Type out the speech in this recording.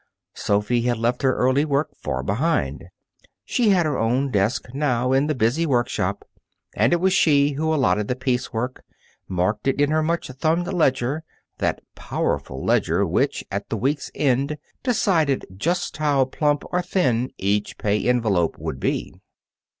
Sophy had left her early work far behind. She had her own desk now in the busy workshop, and it was she who allotted the piece work, marked it in her much thumbed ledger that powerful ledger which, at the week's end, decided just how plump or thin each pay envelope would be.